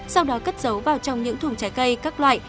sau đó cất dấu vào trong những thùng trái cây các loại